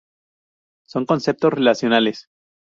Son conceptos relacionales.